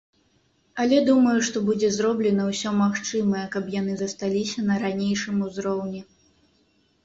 Але, думаю, што будзе зроблена ўсё магчымае, каб яны засталіся на ранейшым узроўні.